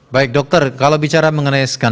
baik dokter kalau bicara mengenai scan